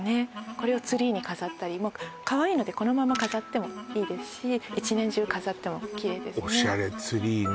これをツリーに飾ったりまあかわいいのでこのまま飾ってもいいですし１年中飾ってもきれいですよね